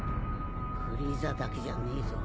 フリーザだけじゃねえぞ。